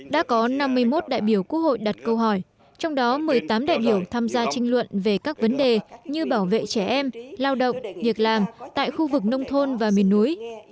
đã có năm mươi một đại biểu quốc hội đặt câu hỏi trong đó một mươi tám đại biểu tham gia trinh luận về các vấn đề như bảo vệ trẻ em lao động việc làm tại khu vực nông thôn và miền núi